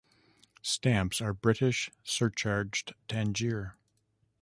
Stamps are British surcharged Tangier.